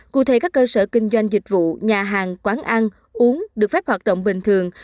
cụ thể các cơ sở kinh doanh dịch vụ nhà hàng quán ăn uống được phép hoạt động bình thường